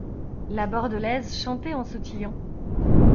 La Bordelaise chantait en sautillant.